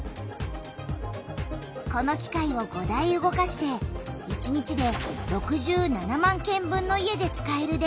この機械を５台動かして１日で６７万軒分の家で使える電気をつくっている。